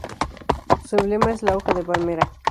Su emblema es la hoja de palmera.